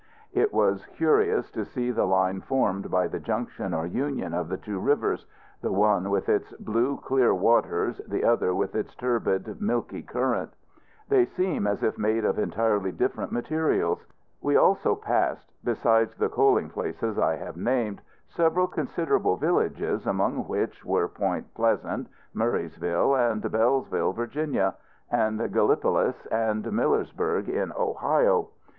It was curious to see the line formed by the junction or union of the two rivers the one with its blue clear waters, the other with its turbid, milky current. They seemed as if made of entirely different materials. We also passed, besides the coaling places I have named, several considerable villages, among which were Point Pleasant, Murraysville, and Belleville, Virginia; and Gallipolis and Millersburg in Ohio.